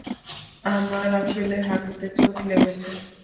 আমার আসলে হাঁটুতে চোট লেগেছে।